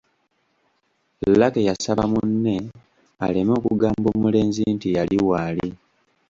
Lucky yasaba munne aleme okugamba omulenzi nti yali waali.